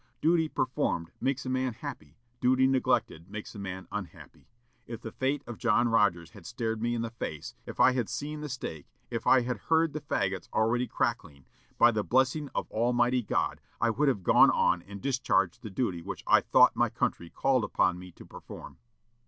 Duty performed makes a man happy; duty neglected makes a man unhappy.... If the fate of John Rogers had stared me in the face, if I had seen the stake, if I had heard the fagots already crackling, by the blessing of Almighty God I would have gone on and discharged the duty which I thought my country called upon me to perform."